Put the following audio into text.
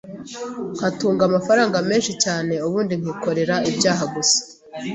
nkatunga amafaranga menshi cyane ubundi nkikorera ibyaha gusa